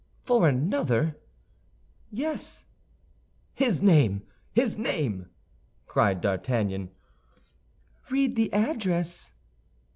"For another?" "Yes." "His name; his name!" cried D'Artagnan. "Read the address."